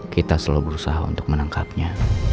kita selalu berusaha untuk menangkapnya